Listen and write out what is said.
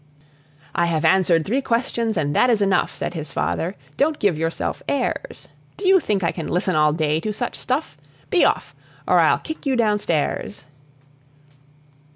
"I have answered three questions, and that is enough," Said his father, "don't give yourself airs! Do you think I can listen all day to such stuff? Be off, or I'll kick you down stairs!"